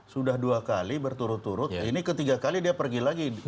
sudah dua kali berturut turut ini ketiga kali dia pergi lagi